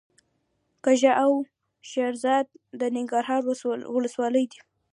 کږه او شیرزاد د ننګرهار ولسوالۍ دي.